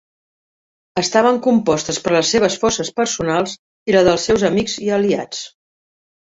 Estaven compostes per les seves forces personals i la dels seus amics i aliats.